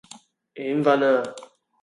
眼訓喇